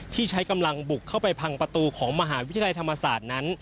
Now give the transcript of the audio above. ที่ใช้กำลังบุกเข้าไปพังประตูของมหาวิทยาลัยธรรมศาสตร์นั้น